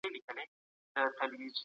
علم د تنظیم سویو حقایقو سره اړیکي لري.